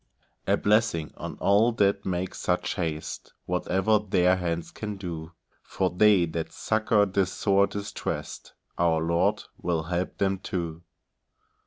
A blessing on all that make such haste, Whatever their hands can do! For they that succour the sore distressed, Our Lord will help them too.